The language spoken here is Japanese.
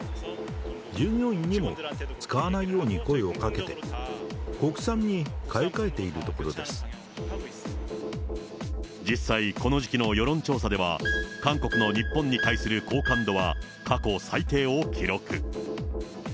従業員にも使わないように声をかけて、実際、この時期の世論調査では、韓国の日本に対する好感度は過去最低を記録。